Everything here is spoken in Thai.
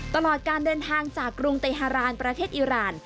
ตลอดการเดินทางจากกรุงเตฮารานประเทศอิราณ